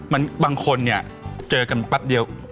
บางคนเจอกันปัดเดียว